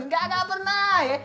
gak pernah ya